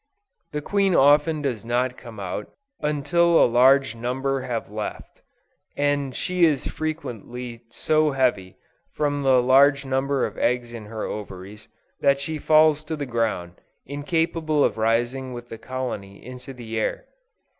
The queen often does not come out, until a large number have left, and she is frequently so heavy, from the large number of eggs in her ovaries, that she falls to the ground, incapable of rising with the colony into the air.